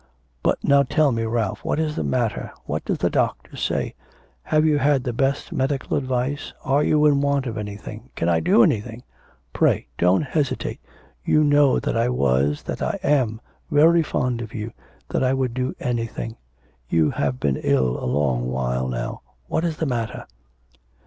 ... But now tell me, Ralph, what is the matter, what does the doctor say? Have you had the best medical advice, are you in want of anything? Can I do anything? Pray, don't hesitate. You know that I was, that I am, very fond of you, that I would do anything. You have been ill a long while now what is the matter?'